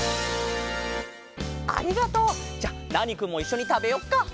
ありがとう！じゃあナーニくんもいっしょにたべよっか。